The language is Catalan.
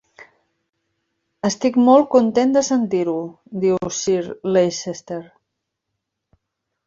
"Estic molt content de sentir-ho", diu Sir Leicester.